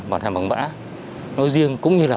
và hàng bằng mã nói riêng cũng như là